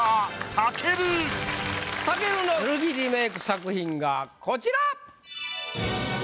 武尊の古着リメイク作品がこちら！